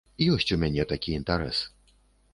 Ёсць у мяне такі інтарэс.